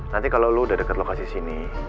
nanti kalau lu udah deket lokasi sini